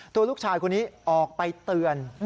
ตัวลูกชายคนนี้ออกไปเตือน